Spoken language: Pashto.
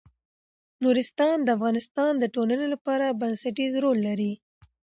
نورستان د افغانستان د ټولنې لپاره بنسټيز رول لري.